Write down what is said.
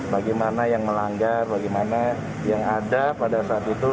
bagaimana yang melanggar bagaimana yang ada pada saat itu